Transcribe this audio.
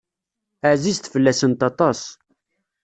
Ɛzizet fell-asent aṭas.